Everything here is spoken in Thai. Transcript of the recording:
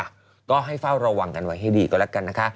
อ่ะก็ให้เฝ้าระวังกันไว้ให้ดีก็แล้วกันนะคะ